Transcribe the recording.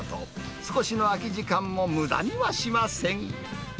少しの空き時間もむだにはしません。